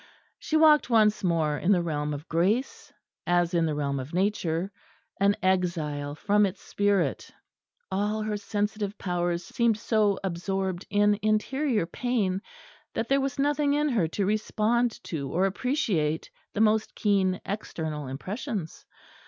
She walked once more in the realm of grace, as in the realm of nature, an exile from its spirit. All her sensitive powers seemed so absorbed in interior pain that there was nothing in her to respond to or appreciate the most keen external impressions.